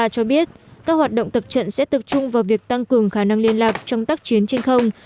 cho biết các hoạt động tập trận sẽ tập trung vào việc tăng cường khả năng liên lạc trong tác chiến trên không